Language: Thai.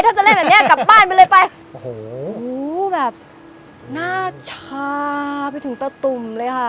ถ้าจะเล่นแบบเนี้ยกลับบ้านไปเลยไปโอ้โหแบบหน้าชาไปถึงตะตุ่มเลยค่ะ